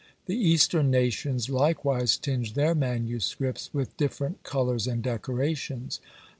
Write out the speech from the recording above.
The Eastern nations likewise tinged their MSS. with different colours and decorations.